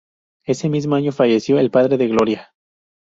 Ese mismo año falleció el padre de Gloria.